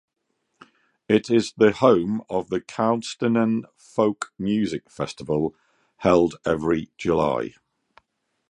It is the home of the Kaustinen Folk Music Festival, held every July.